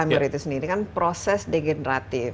number itu sendiri kan proses degeneratif